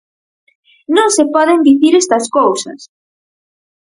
¡Non se poden dicir estas cousas!